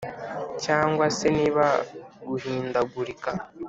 cyangwa se niba guhindagurika.